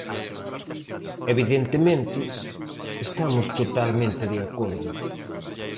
Evidentemente, estamos totalmente de acordo.